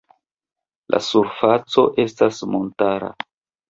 La surfaco estas montara.